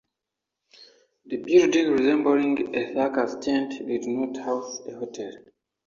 The building, resembling a circus tent, did not house a hotel.